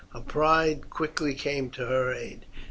Her pride quickly came to her aid.